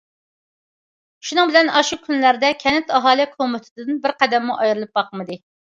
شۇنىڭ بىلەن، ئاشۇ كۈنلەردە كەنت ئاھالە كومىتېتىدىن بىر قەدەممۇ ئايرىلىپ باقمىدى.